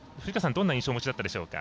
どんな印象をお持ちだったでしょうか。